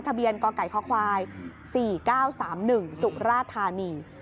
ทะเบียนกอไก่ข้อควายสี่เก้าสามหนึ่งสุราธานี